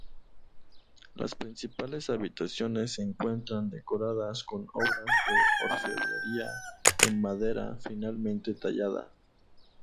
Las principales habitaciones se encuentran decoradas con obras de orfebrería en madera finamente tallada.